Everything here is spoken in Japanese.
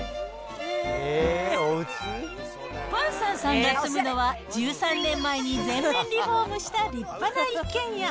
ヴァンサンさんが住むのは１３年前に全面リフォームした立派な一軒家。